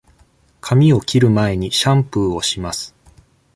髪を切る前にシャンプーをします。